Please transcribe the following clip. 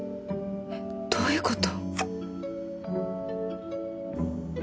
どういうこと？